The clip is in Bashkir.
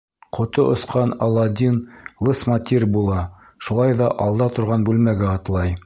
Ҡото осҡан Аладдин лысма тир була, шулай ҙа алда торған бүлмәгә атлай.